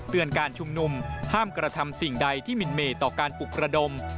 การชุมนุมห้ามกระทำสิ่งใดที่มินเมต่อการปลุกระดม